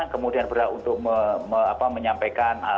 kemudian berhak untuk menyampaikan